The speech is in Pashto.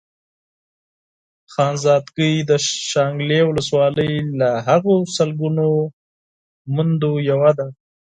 خانزادګۍ د شانګلې ولسوالۍ له هغو سلګونو ميندو يوه ده.